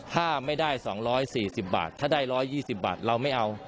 ถ้าไม่ได้๒๔๐บาทถ้าได้๑๒๐บาทเราไม่เอา